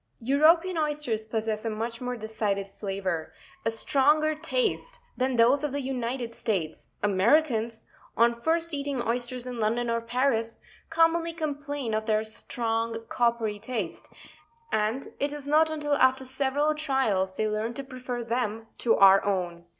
European oysters possess a much more decided flavour, a stronger taste, than those of the United States ; Americans, on first eating oysters in London or Paris, commonly complain of their strong coppery taste, and it is not until after several trials they learn to prefer them to our own.